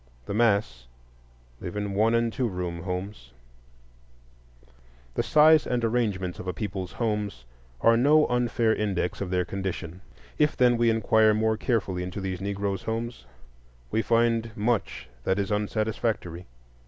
The mass live in one and two room homes. The size and arrangements of a people's homes are no unfair index of their condition. If, then, we inquire more carefully into these Negro homes, we find much that is unsatisfactory.